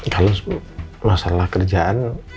kalau masalah kerjaan